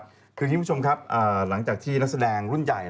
คือคุณผู้ชมครับหลังจากที่นักแสดงรุ่นใหญ่